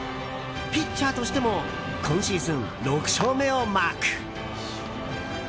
ピッチャーとしても今シーズン６勝目をマーク。